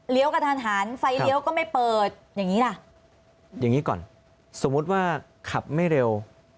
กระทันหันไฟเลี้ยวก็ไม่เปิดอย่างงี้ล่ะอย่างนี้ก่อนสมมุติว่าขับไม่เร็ว